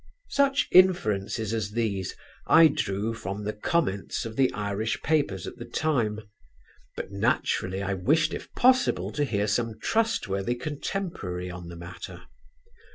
Such inferences as these, I drew from the comments of the Irish papers at the time; but naturally I wished if possible to hear some trustworthy contemporary on the matter.